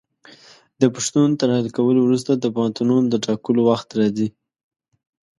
د پوښتنو تر حل کولو وروسته د پوهنتونونو د ټاکلو وخت راځي.